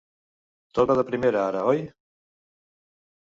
Tot va de primera ara, oi?